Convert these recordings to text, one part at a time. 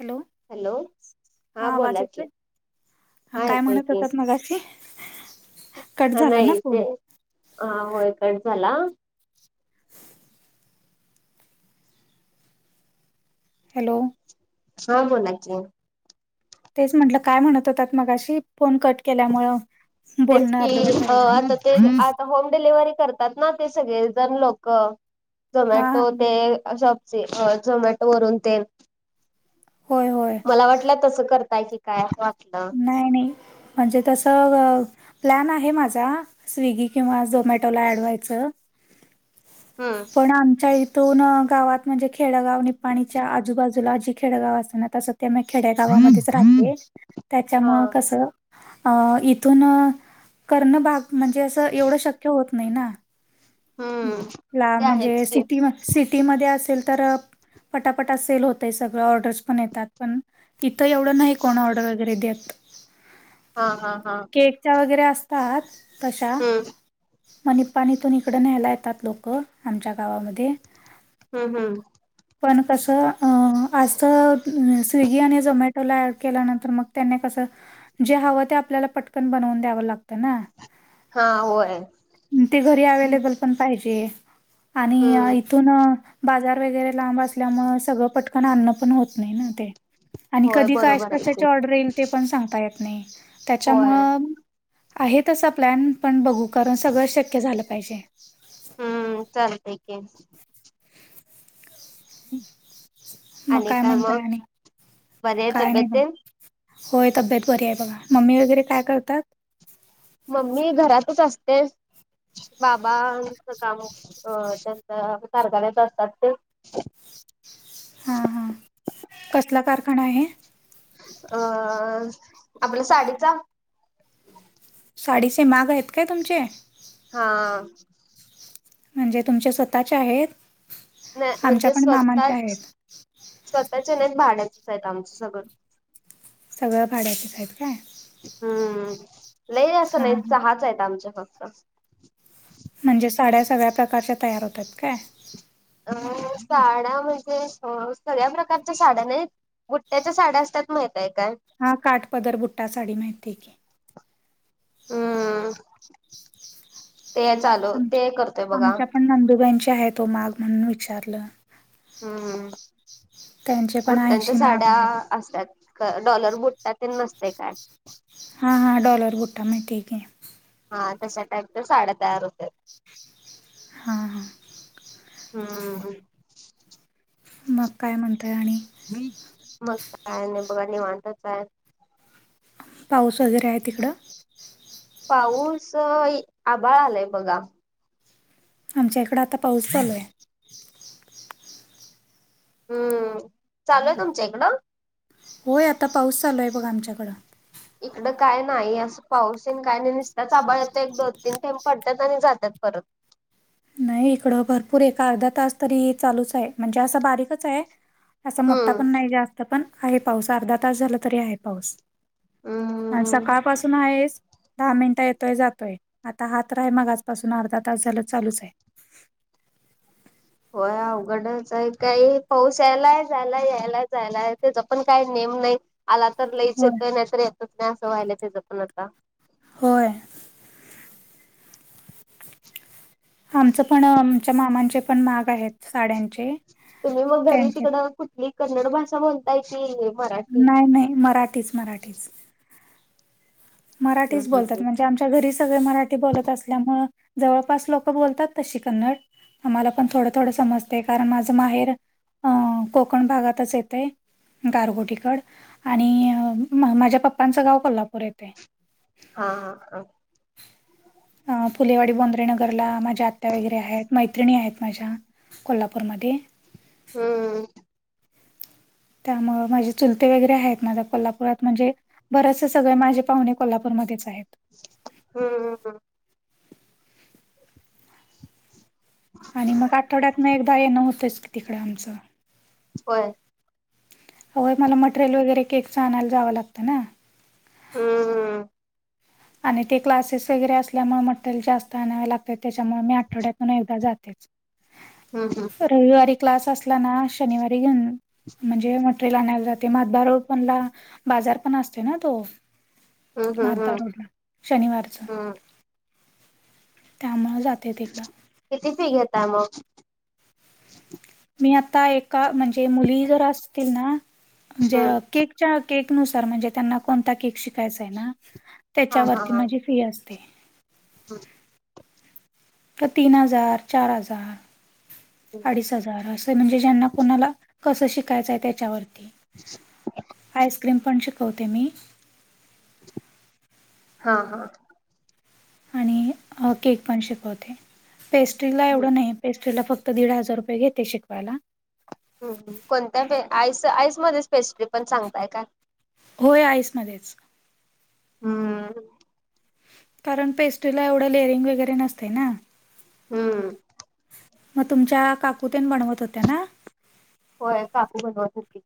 Hello! Hello हा वाज बोला की येतोय हा काय म्हणत होतात मगाशी. कट ह झाला ना नाही ते फोन हा होय कट झाला. हॅलो! हा बोला की. तेच म्हटलं काय म्हणत होतात मग अशी फोन कट केल्यामुळं. तेच बोलणं अर्धवट की राहिलं ना आता ते आता होम डिलिव्हरी करतात ना ते सगळे जण लोक. हा झोमॅटो हा ते सबजी झोमॅटो वरून ते. होय होय. मला वाटलं तसं करताय की काय वाटलं. नाही नाही म्हणजे तसं. प्लॅन आहे माझा स्विगी किंवा झोमॅटोला ॲड व्हायचं. हम. पण आमच्या इथून गावात म्हणजे खेडगाव निपाणीच्या आजूबाजू जूला जी खेडगाव अस ना तसं ते मी खेड्या गावामध्येच राहते हा त्याच्यामुळ कसं अ इथून करणं भाग म्हणजे असं एवढं शक्य होत नाही ना. हम्म ला ते आहेच म्हणजे की सिटी म सिटीमध्ये असेल तर पटापटा सेल होतय सगळं ऑर्डर्स पण येतात. पण तिथं एवढं नाही कोण ऑर्डर वगैरे देत. हा हा हा. वगरे असतात हम्म म इ. न्यायला येतात लोक आमच्या गावामध्ये हम्म हम्. पण कसं आज स्विगी आणि झोमॅटोला ऍड केल्यानंतर मग त्यां कस जे हव ते आपल्याला पटकन बनवून द्याव लागत ना. हा होय. ते घरी अवेलेबल पण पाहिजे आणि हम्म इथून बाजार वगैरे लांब असल्यामुळे सगळं पटकन अन्न पण होत नाही ना ते आणि होय कधी काय बरोबर आहे की कशाची ऑर्डर येईल ते पण सांगता येत नाही होय त्याच्यामुळं. आहे तसा प्लॅन पण बघू कारण सगळं शक्य झालं पाहिजे. चालतेक मग आणि काय म्हणताय मग आणि बरे आहे काय नाही तब्येत बघ आहे. होय तब्येत बरी आहे बघा मम्मी वगैरे काय करतात. मम्मी घरातच असते. बाबांचं काम अ त्यांच कारखाने्यात असतात ते हा हा कसला कारखाना आहे. अ आपल्या साडीचा साडीचे माघ आहेत काय तुमचे हा. म्हणजे तुमच्या स्वतःच्या आहेत नाही आमच्या पण मामांच्या आहेत. स्वतःच्या नाहीत भाडाचच आहेत आमचं सगळं. सगळं भाड्याचे सा आहेत काय? हम्म ल असं हा नाही हा चहाच आहे आमच्या फक्त म्हणजे साड्या सगळ्या प्रकारच्या तयार होतात काय? अ साड्या म्हणजे, सगळ्या प्रकारच्या साड्या नाहीत. बुट्ट्याच्या साड्या असतात माहितय काय? हा काटपदर बुट्टा साडी माहिती आहे की हम्म. ते चालू, ते आमच्या करतोय बघा. आमच्या पण नंदुबाईची आहे, तो माघ म्हणून विचारलं. हम्म त्यांचे पण बुट्टांच्या ऐंशी माग साड्या आहेत. असतात. डॉलर बुटतात तन नसतय काय? हा हा डॉलर भु्टा माहितीय की हा. तशा टाईमच्या साड्या तयार हुत्यात. ह. हा हा हम्ममम. मग काय म्हणताय आणि? मग काय नाही बघा नीवांतच य. पाऊस वगैरे आहे तिकडं? पाऊस, आबााळ आलाय बघा. आमच्या इकडें आता पाऊस चालू आय. हम्म चालूय तुमच्या इकडं? होय. आता पाऊस चालू आहे बघ आमच्याकडं. इकडं काय नाही, असं पाऊस आणि काय नाही नुसतातच आबाळ येतय, एक दोन तीन थेंब पडतात आणि जातात परत नाही इकडं भरपूर एक अर्धा तास तरी चालूच आह म्हणजे असं बारीकच आहे. असा मोठा हम्म पण नाही जास्त पण,, आहे पाऊस अर्धा तास झाला तरी आहे पाऊस. हा, हम्म सकाळ पाासून आहेस. दहा मिनिट येतोय, जातोय आता हा तर हाय मगाचपासून अर्धा तास झालं चालूच आहे. होय, अवघडच आहे, काही पाऊस यायला, जायला यायला जायला आहे त्याचा पण काय नेम नाही. आला तर लईच होय येतोय,, नाही तर येतच नाही असं व्हायलाय त्याचं पण आताऽ होय, आमचं पण, आमच्या मामांचे पण माग आहेत साड्यांचे,, तुम्ही मग घरी त्यांचे तिकड कुठली कन्नड भाषा बोल? काही ते आहे मराठी? नाही, नाही. मराठीच, मराठीच. हम्म मराठीच हम्म बोलतात म्हनजे हम्म ऽ म्हणजे आमच्या घरी सगळे मराठी बोलत असल्यामुळ,,,, जवळपास लोक बोलतात तशी कन्नडऽ आम्हाला पण थोडं, थोडं समजतय, कारण माझं माहेर अं ऽकोकण भागातच येतय. गारगोटीकड,, आणि माझ्या पप्पांचं गाव कोल्हापूर येतय. हा, हा, अ फुलेवाडी बोंद्रेनगरला माझ्या आत्या वगैरे आहेत,, मैत्रिणी आहेत माझ्या,, कोल्हापूरमध्ये. हम्म, त्यामुळं माझे चुलते वगैरे आहेत,, माझ्या कोल्हापुरात म्हणजेऽ बरेचसे सगळे माझे पाहुणे कोल्हापूरमध्येच आहेत. हम, हम, हम आणि मग आठवड्यात न एकदा येणं होतंयच की तिकडं आमचं. वय,, होय मला मटेरियल वगैरे केकच आणायला जावं लागतं ना,, हम्म हम आणि ते क्लासेस वगैरे असल्यामुळे म्हट जास्त आणावे लागत त्याच्यामुळे मी आठवड्यातून एकदा जातेच. हम्म हम्म रविवारी क्लास असला ना शनिवारी घेऊन म्हणजे मटेरियल आणायला जाते मातबार पणला बाजार पण असते ना तो हम्म हम्म माधदा हम्म रोडला शनिवारचा. हम्म त्यामुळे जाते तिकडं. किती फी घेता मग. मी आता ए म्हणजे मुली जर असतील ना म्हणजे हम्म केक. केक नुसार म्हणजे त्यांना कोणता केक शिकायचाय ना त्याच्यावरती माझी फ्री अस. ते. हां. तर तीन हजार चार हजार. अडीच हजार असं म्हणजे ज्यांना कुणाला कसं शिकायचंय त्याच्यावरती. [unintelligible] आईस्क्रीम पण शिकवते मी. हा, हा, आणि,, केक पण शिकवते,, पेस्ट्रीला हम्म एवढं नाही,, पेस्ट्री ला फक्त दीड हजार रुपये घेते शिकवायला, कोणत्या प,, आईस,, आईस मध्येच पेस्ट्री पण सांगताय का? होय आईसमध्येच हम्म कारण पेस्ट्रीला एवढं लेअरिंग वगैरे नसते ना. हम्म मग तुमच्या काकुतेन बनवत होत्या ना. होय काकू बनवत होती.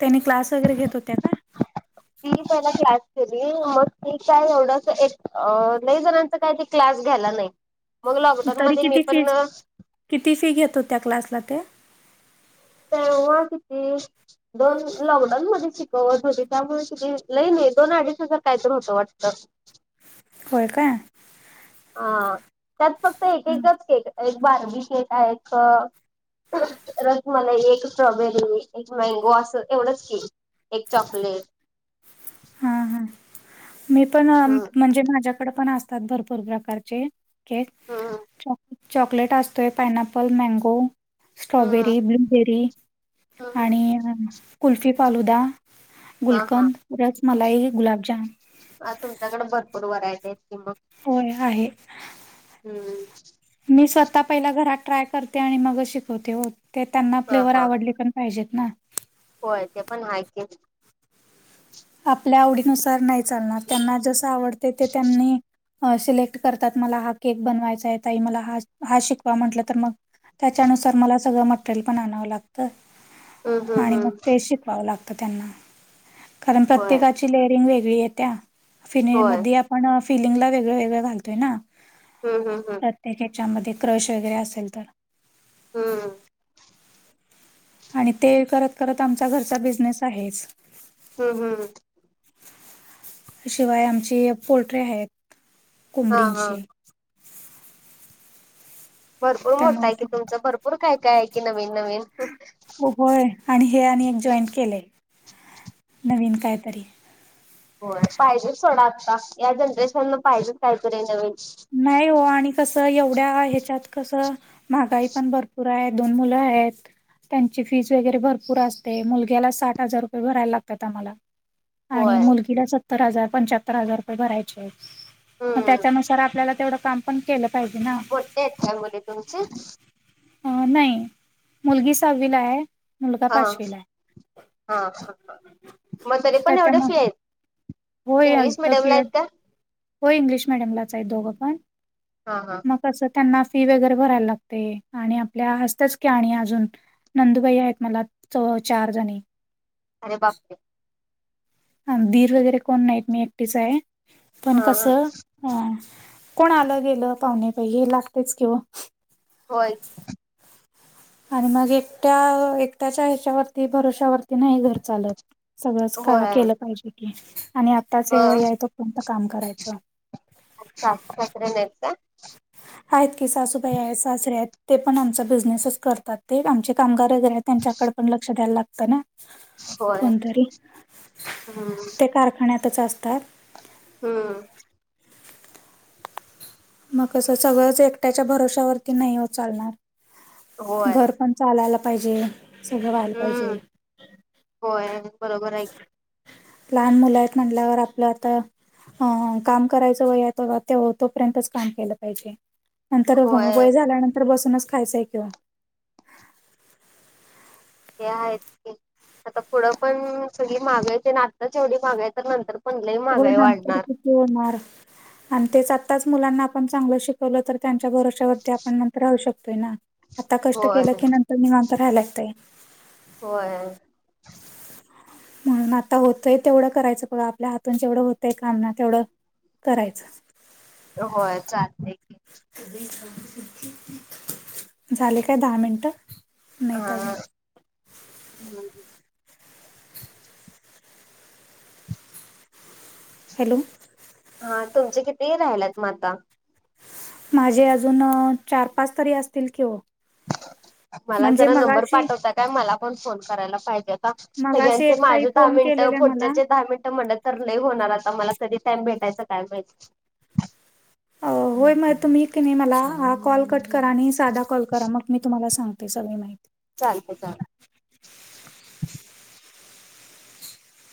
त्यानी क्लास वगैरे घेत होत्या का? [unintelligible] त त्यायला क्लास केली मग ती काय एवढ एक ल जणांच काय क्लास घ्याला नाही. मग लॉकडाऊन तरी मध्ये मी किती फी पण किती फी घेतो त्या क्लासला ते. तर उवा किती. दोन लॉकडाऊन मध्ये शिकवत होते त्यामुळे ति लयनइ दोन अडीच हजार काय तर होतं वाटतं. होय काय? ह त्यात फक्त एक हं, एकच केक एक बार्बी केक एक. तरच मला एक स्ट्रॉबेरी एक मँगो असं एवढंच केलं. एक चॉकलेट हा हा मी पण हम्म म्हणजे माझ्याकडे पण असतात भरपूर प्रकारचे च हम्म चॉकलेट असतोय, पायनॅपल, मँगो हम्म स्ट्रॉबेरी, ब्लुबेरी हम्म आणि कुल्फी, फालुदा, हा गुलकंद, रस मलाई, गुलाबजाम आज तुमच्याकडे भरपूर व्हरायटी आहेत की मग. होय आहे. हम्म. मी स्वतः पहिला घरात ट्राय करते आणि मग शिकवते हो ते त्यांना हा फ्लेवर हा आवडली पण पाहिजेत ना, होय ते पण आहे की आपल्या आवडीनुसार नाही चालणार त्यांना जस आवडते ते त्यांनी सिलेक्ट करतात मला हा केक बनवायचा आहे ताई मला हा हा शिकवा म्हंटलं तर मग त्याच्यानुसार मला सगळं मटेरियल पण आणावं लागत हम्म हम्म आणि मग हम्म ते शिक पहावं लागतं त्यांना कारण होय प्रत्येकाची लेअरिंग वेगळी येत्या फिन होय मध्ये पण फिलिंगला वेगळं वेगळं घालतोय ना. हम हम हम. प्रत्येक ह्याच्यामध्ये क्रश वगैरे असेल तर हम्म. आणि ते करत करत आमचा घरचा बिझनेस आहेच. हम्म हम् शिवाय आमची पोलोल्ट्री आहेत हा हा कोंबडींची भरपूर मोठा आहे त्यामुळे कि ती तुमच भरपूर काय काय आहे कि नवीन नवीन हो, होय आणि हे आणि एक जॉईंट केले नवीन कायतरी हो पाहिजेच थोडा आता या जनरेशन न पाहिजेच काहीतरी नवीन नाही हो आणि कसं एवढ्या ह्याच्यात कसं महागाई पण भरपूर आहे दोन मुलं आहेत. त्यांची फीज वगैरे भरपूर असते मुलग्याला साठ हजार रुपये भरायला लागतात आम्हाला आणि होय मुलगीला सत्तर हजार पंच्याहत्तर हजार रुपये भरायचे मग हम्म त्याच्यानुसार आपल्याला तेवढं काम पण केलं पाहिजे ना, मोठे आहेत काय मुले तुमचे अ नाही मुलगी सहावीला आहे. मुलगा हा पाचवीला आहे हा ह मग तरी पण एवढे त्याच्यामुळे फी आहेत. इंग्लिश मिडियम ला आहेत का? हो इंग्लिश मिडियम लाच आहे दोघं पण हा हा कस त्यांना फी वगैरे भरायला लागते आणि आपल्या असतच आणि अजून नंदुबाई आहेत मला च चार जणी अरे बापरे ह दीर वगैरे कोण नाहीत मी एकटीच आहे पण हा हा कसं हा कोण आलं गेलं पाहुणे पैकी हे लागतेच किं होय. आणि मग एकट्या एकट्याच्या ह्याच्यावरती भरोश्यावरती नाही घर चालत सगळंच का होय केलं पाहिजे की आणि आत्ताच हे वय मग आहे तो कोणत काम करायचं. सासू सासरे नाहीत का? आहेत की सासूबाई आहेत सासरे आहेत ते पण आमचा बिझनेसच करतात ते आमचे कामगार आहेत. त्यांच्याकडे पण लक्ष द्यायला लागतं ना, होय कोणतरी हम्म ते कारखान्यातच असतात. हम्म. मगसं सगळंच एकट्याच्या भरोश्यावरती नाही चालणार होय घर पण चालायला पाहिजे सगळं व्हायला हम्म पाहिजे होय बरोबर आहेऐ लहान मुला आहेत म्हटल्यावर आपलं आता अ काम करायचं व तोपर्यंतच काम केलं पाहिजे नंतर होय वय झाल्यानंतर बसूनच खायचंय किंवा ते आहेच की आता पुढं पण सगळी मागायची आताेवढी मागायच नंतर पण लई हो महागाई नंतर वाढणार किती होणार आणि तेच आत्ताच मुलांना आपण चांगलं शिकवलं तर त्यांच्या भरोश्यावरती आपण नंतर राहू शकतोय ना आता कष्ट होय केलं की नंतर निवांत राहायलाग तेय होय म्हणून आता होतंय तेवढं करायचं बघा आपल्या हात तून जेवढं होतंय कामना तेवढं करायचं होय चालते झाले काय दहा मिनिट ह हम् हॅलो हा तुमचे कितीही राहिलात माता माझे अजून चार पाच तरी असतील किं मला जरा नंबर पाठवतात का मला पण फोन करायला पाहिजे आता मगाशी सगळ्यां माझ एकताही दहा फोन मिनिट केलेला पुढ मला दहा मिनट म्ह तर ल होणार आता मला कधी टाइम भेटायचा काय म्हहि होय मग तुम्ही तिने मला हा कॉल कट करा आणि साधा कॉल करा मग मी तुम्हाला सांग ते सगळी माहिती चालत चाल